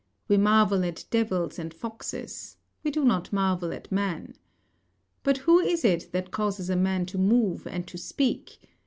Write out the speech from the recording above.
We marvel at devils and foxes: we do not marvel at man. But who is it that causes a man to move and to speak?